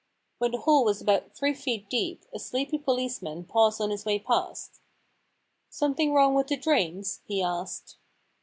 When the hole was about three feet deep a sleepy policeman paused on his way past. * Something wrong with the drains ?* he asked.